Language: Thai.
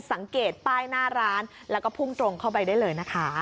สังเกตป้ายหน้าร้านแล้วก็พุ่งตรงเข้าไปได้เลยนะคะ